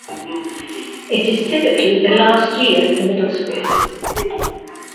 It is typically the last year for Middle school.